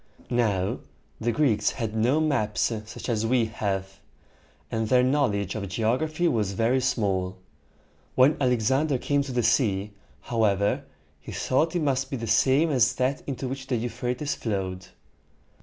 Now, the Greeks had no maps such as we have; and their knowledge of geography was very small. When Alexander came to the sea, however, he thought it must be the same as that into which the Euphrates flowed.